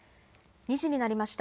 ２時になりました。